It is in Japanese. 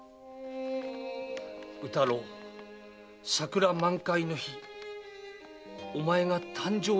「宇太郎桜満開の日お前が誕生せし日の喜び